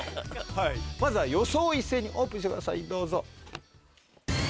まずは予想を一斉にオープンしてくださいどうぞ。